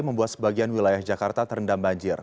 membuat sebagian wilayah jakarta terendam banjir